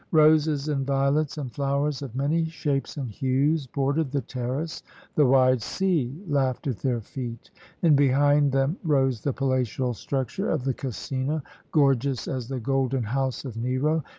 Roses and violets, and flowers of many shapes and hues, bordered the terrace; the wide sea laughed at their feet, and behind them rose the palatial structure of the Casino, gorgeous as the Golden House of Nero.